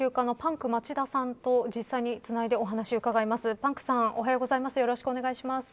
パンクさんおはようございます。